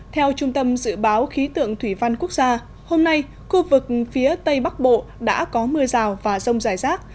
theo trung tâm dự báo khí tượng thủy văn quốc gia hôm nay khu vực phía tây bắc bộ đã có mưa rào và rông dài rác